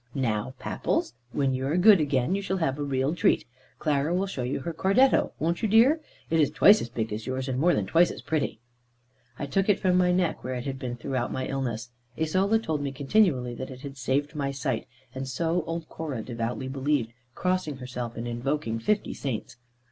"Now, Papples, when you are good again, you shall have a real treat. Clara will show you her cordetto, won't you, dear? It is twice as big as yours, and more than twice as pretty." I took it from my neck, where it had been throughout my illness. Isola told me continually that it had saved my sight; and so old Cora devoutly believed, crossing herself, and invoking fifty saints.